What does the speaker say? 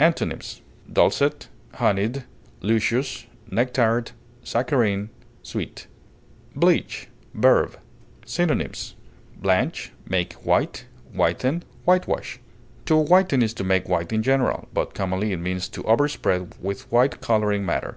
Antonyms: dulcet, honeyed, luscious, nectared, saccharine, sweet. BLEACH, v. Synonyms: blanch, make white, whiten, whitewash. To whiten is to make white in general, but commonly it means to overspread with white coloring matter.